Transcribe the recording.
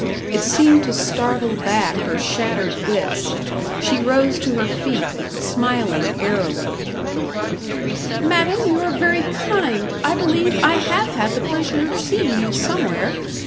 It seemed to startle back her shattered wits. She rose to her feet, smiling airily. "Madam, you are very kind. I believe I have had the pleasure of seeing you somewhere.